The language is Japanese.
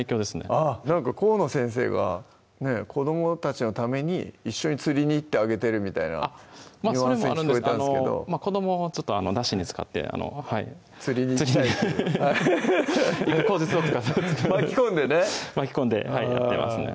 あっなんか河野先生が子どもたちのために一緒に釣りに行ってあげてるみたいなニュアンスに聞こえたんすけど子どもをちょっとだしに使ってあのはい釣りに行きたいっていう巻き込んでね巻き込んではいやってますね